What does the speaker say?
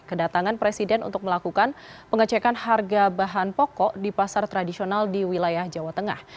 kedatangan presiden untuk melakukan pengecekan harga bahan pokok di pasar tradisional di wilayah jawa tengah